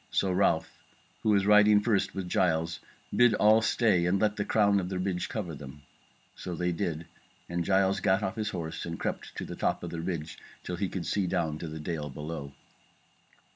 So Ralph, who was riding first with Giles, bid all stay and let the crown of the ridge cover them. So did they, and Giles gat off his horse and crept on to the top of the ridge till he could see down to the dale below.